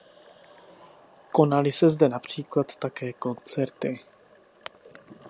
Konaly se zde například také koncerty.